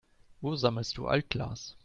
Wo sammelst du Altglas?